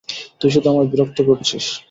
তুই শুধু আমায় বিরক্ত করছিস।